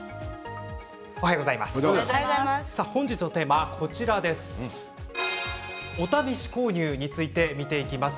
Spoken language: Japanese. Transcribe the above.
最初のコーナーは本日のテーマはお試し購入について見ていきます。